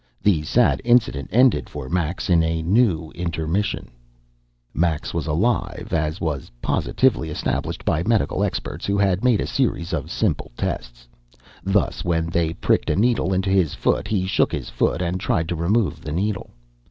The sad incident ended for Max in a new intermission. ........ Max was alive, as was positively established by medical experts, who had made a series of simple tests. Thus, when they pricked a needle into his foot, he shook his foot and tried to remove the needle.